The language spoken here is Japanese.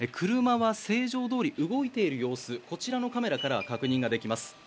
車は正常どおり動いている様子がカメラからは確認できます。